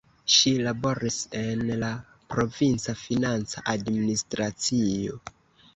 Ŝi laboris en la provinca financa administracio.